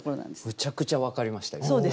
むちゃくちゃ分かりました今。